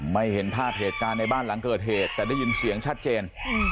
เห็นภาพเหตุการณ์ในบ้านหลังเกิดเหตุแต่ได้ยินเสียงชัดเจน